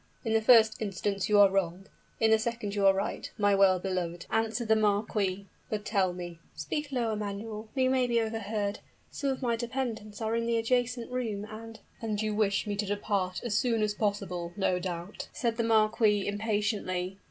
"In the first instance you are wrong in the second you are right, my well beloved," answered the marquis. "But tell me " "Speak lower, Manuel we may be overheard. Some of my dependents are in the adjacent room, and " "And you wish me to depart as soon as possible, no doubt?" said the marquis, impatiently.